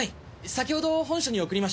先ほど本署に送りました。